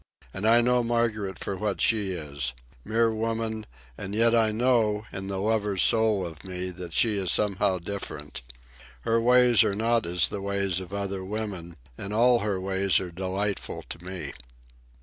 And I know Margaret for what she is—mere woman; and yet I know, in the lover's soul of me, that she is somehow different. Her ways are not as the ways of other women, and all her ways are delightful to me.